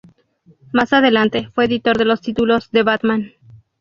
Más adelante, fue editor de los títulos de Batman.